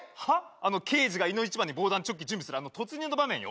あの刑事がいの一番に防弾チョッキ準備するあの突入の場面よ？